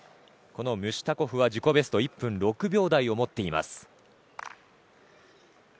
このムシュタコフは自己ベスト１分６秒台を持っています。